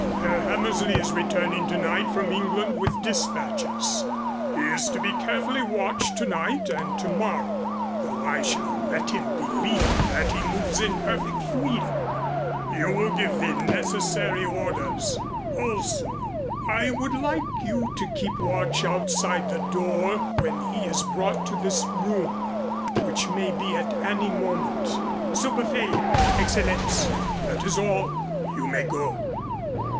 Herr Hammersley is returning tonight from England with dispatches. He is to be carefully watched tonight and tomorrow, though I shall let him believe that he moves in perfect freedom. You will give the necessary orders. Also I would like you to keep watch outside the door when he is brought to this room, which may be at any moment." "Zu befehl, Excellenz." "That is all. You may go."